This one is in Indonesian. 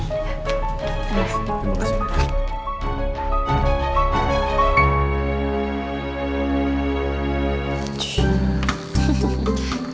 ya terima kasih